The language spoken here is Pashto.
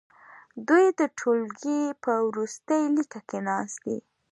دوی د ټوولګي په وروستي لیکه کې ناست دي.